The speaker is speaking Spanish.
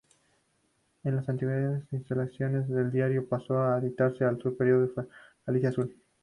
En las antiguas instalaciones del diario pasó a editarse el periódico falangista "Azul".